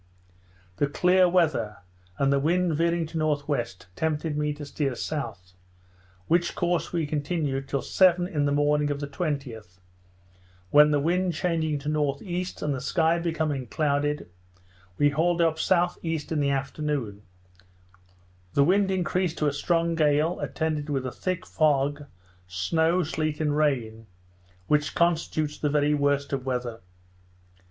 The clear weather, and the wind veering to N.W., tempted me to steer south; which course we continued till seven in the morning of the 20th, when the wind changing to N.E. and the sky becoming clouded, we hauled up S.E. In the afternoon the wind increased to a strong gale, attended with a thick fog, snow, sleet, and rain, which constitutes the very worst of weather.